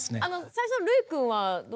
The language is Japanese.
最初のるいくんはどうですか？